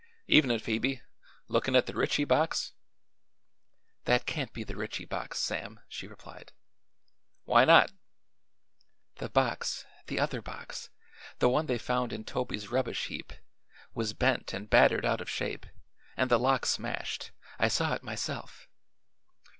"Evenin', Phoebe. Lookin' at the Ritchie box?" "That can't be the Ritchie box, Sam," she replied. "Why not?" "The box the other box the one they found in Toby's rubbish heap was bent and battered out of shape, and the lock smashed. I saw it myself."